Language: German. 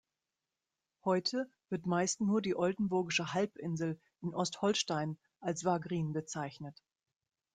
Heute wird meist nur die Oldenburgische Halbinsel in Ostholstein als Wagrien bezeichnet.